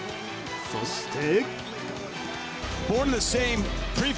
そして。